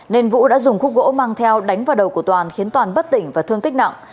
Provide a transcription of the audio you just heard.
nên vũ đã dùng khúc gỗ mang theo đánh vào đầu của toàn khiến toàn bất tỉnh và thương tích nặng